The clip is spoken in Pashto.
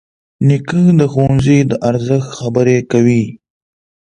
نیکه د ښوونځي د ارزښت خبرې کوي.